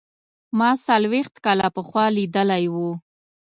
ما څلوېښت کاله پخوا لیدلی و.